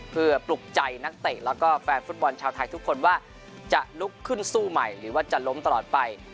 เพื่อปลุกใจนักเตะแล้วก็แฟนฟุตบอลชาวไทยทุกคนว่าจะลุกขึ้นสู้ใหม่หรือว่าจะล้มตลอดไป